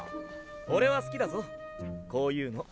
オレは好きだぞこういうの。